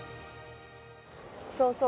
そうそう